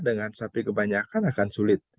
dengan sapi kebanyakan akan sulit